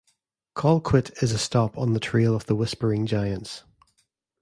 Colquitt is a stop on the Trail of the Whispering Giants.